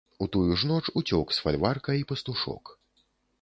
У тую ж ноч уцёк з фальварка і пастушок.